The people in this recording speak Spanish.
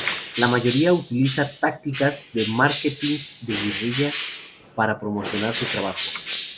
La mayoría utiliza tácticas de ""marketing de guerrilla"" para promocionar su trabajo.